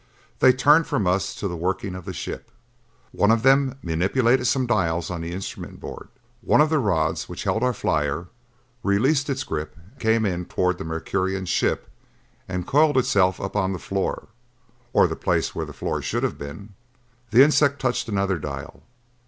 They turned from us to the working of the ship. One of them manipulated some dials on the instrument board. One of the rods which held our flyer released its grip, came in toward the Mercurian ship and coiled itself up on the floor, or the place where the floor should have been. The insect touched another dial.